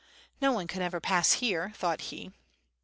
"No one can ever pass here," thought he.